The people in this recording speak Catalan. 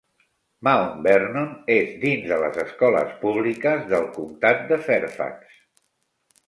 Mount Vernon és dins de les escoles públiques del comtat de Fairfax.